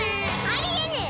ありえねぇ！